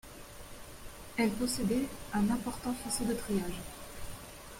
Elle possédait un important faisceau de triage.